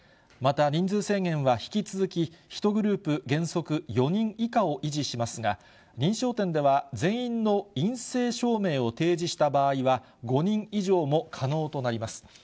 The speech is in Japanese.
また、人数制限は引き続き、１グループ原則４人以下を維持しますが、認証店では全員の陰性証明を提示した場合は５人以上も可能となります。